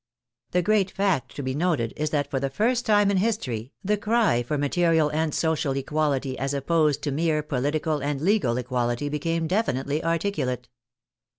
The great fact to be noted is that, for the first time in history, the cry for material and social equality as opposed to mere political and legal equality, became definitely articulate.